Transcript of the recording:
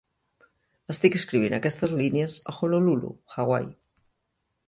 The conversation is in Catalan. Estic escrivint aquestes línies a Honolulu, Hawaii.